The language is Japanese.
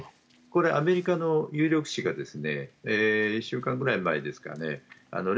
これ、アメリカの有力紙が１週間くらい前ですかね